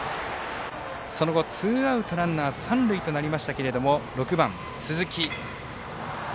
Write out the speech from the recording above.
その後、ツーアウトランナー、三塁となりましたが６番、鈴木。